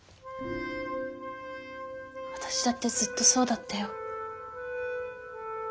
私だってずっとそうだったよ。